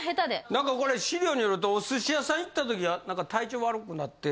何かこれ資料によるとお寿司屋さん行った時何か体調悪くなって。